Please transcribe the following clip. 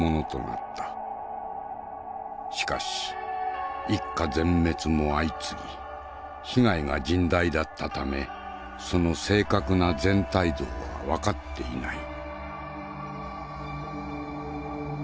しかし一家全滅も相次ぎ被害が甚大だったためその正確な全体像は分かっていない。